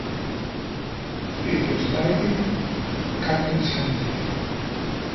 It was titled "Captain Sanity".